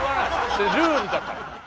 それルールだから。